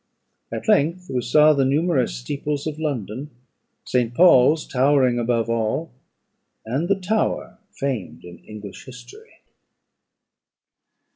At length we saw the numerous steeples of London, St. Paul's towering above all, and the Tower famed in English history.